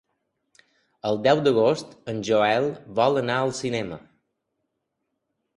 El deu d'agost en Joel vol anar al cinema.